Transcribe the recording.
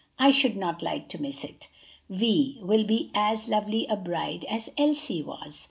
"I should not like to miss it. Vi will be as lovely a bride as Elsie was.